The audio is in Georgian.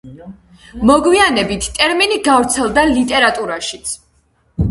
მოგვიანებით ტერმინი გავრცელდა ლიტერატურაშიც.